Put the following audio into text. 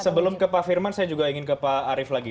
sebelum ke pak firman saya juga ingin ke pak arief lagi